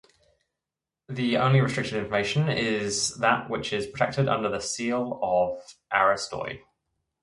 The only restricted information is that which is protected under the "Seal Of Aristoi".